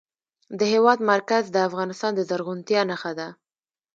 د هېواد مرکز د افغانستان د زرغونتیا نښه ده.